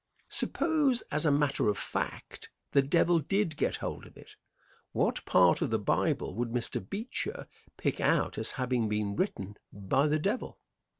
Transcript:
Suppose, as a matter of fact, the Devil did get hold of it; what part of the Bible would Mr. Beecher pick out as having been written by the Devil?